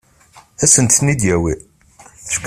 Ad sent-ten-id-yawi?